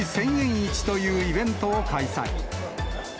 市というイベントを開催。